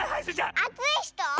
あついひと？